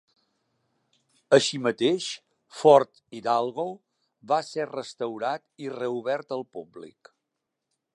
Així mateix, Fort Hidalgo va ser restaurat i reobert al públic.